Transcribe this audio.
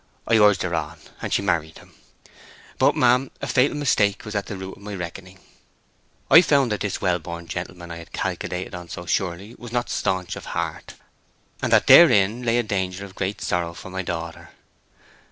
I urged her on, and she married him. But, ma'am, a fatal mistake was at the root of my reckoning. I found that this well born gentleman I had calculated on so surely was not stanch of heart, and that therein lay a danger of great sorrow for my daughter.